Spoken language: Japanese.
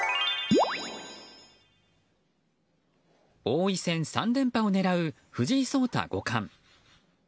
王位戦３連覇を狙う藤井聡太五冠。